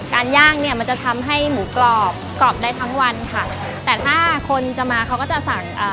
ย่างเนี้ยมันจะทำให้หมูกรอบกรอบได้ทั้งวันค่ะแต่ถ้าคนจะมาเขาก็จะสั่งอ่า